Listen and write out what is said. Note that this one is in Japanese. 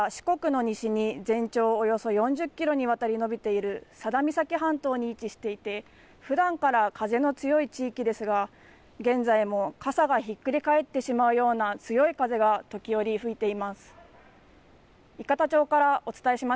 町は四国の西に全長およそ４０キロにわたりのびている佐田岬半島に位置していて、ふだんから風の強い地域ですが、現在も傘がひっくり返ってしまうような強い風が時折吹いています。